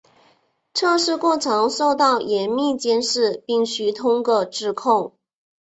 测试过程受到严密监视并须通过质控。